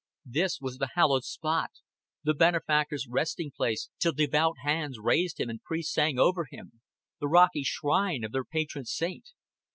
This was the hallowed spot, the benefactor's resting place till devout hands raised him and priests sang over him, the rocky shrine of their patron saint.